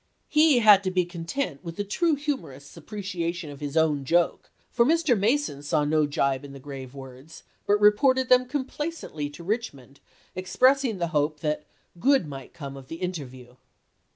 He had to be content with the true humorist's appre ciation of his own joke, for Mr. Mason saw no gibe in the grave words, but reported them complacently to Richmond, expressing the hope that "good might come " of the interview.